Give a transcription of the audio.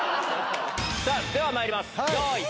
さあ、ではまいります。